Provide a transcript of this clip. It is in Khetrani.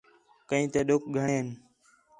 کئیں تے ݙُکھ گھݨیں ہِن